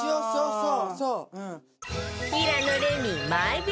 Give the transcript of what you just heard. そう。